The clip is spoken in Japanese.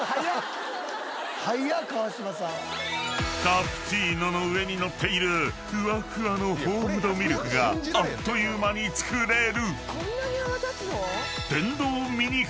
［カプチーノの上に載っているふわふわのフォームドミルクがあっという間に作れる］